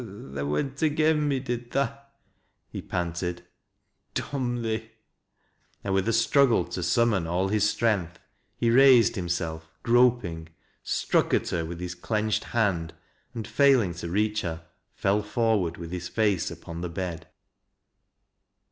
" Tha went agen me, did tha ?" he panted. " Dom thee !" and with a struggle to summon all his strength, he raised himself, groping, struck at her with his clenched hiind, and failing to reach her, fell forward with his face ppon the bed.